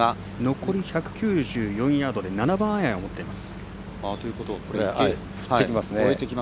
残り１９４ヤードで７番アイアンを持っています。